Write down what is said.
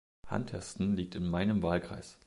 Hunterston liegt in meinem Wahlkreis.